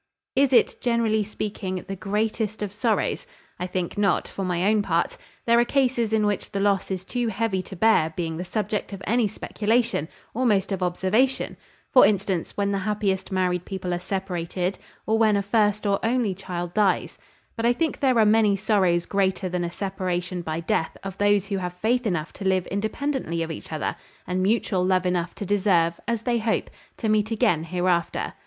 "Is it, generally speaking, the greatest of sorrows? I think not, for my own part. There are cases in which the loss is too heavy to bear being the subject of any speculation, almost of observation; for instance, when the happiest married people are separated, or when a first or only child dies: but I think there are many sorrows greater than a separation by death of those who have faith enough to live independently of each other, and mutual love enough to deserve, as they hope, to meet again hereafter.